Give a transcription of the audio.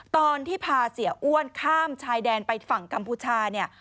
ตอนที่พาเสียอ้วนข้ามชายแดนไปฝั่งกัมพูชาเนี่ย